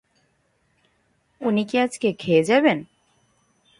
উনি কি আজকে খেয়ে যাবেন?